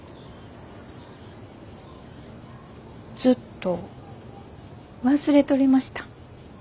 ずっと忘れとりました。